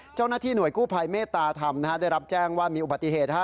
เจ้าหน้าที่หน่วยกู้ภัยเมตตาธรรมได้รับแจ้งว่ามีอุบัติเหตุ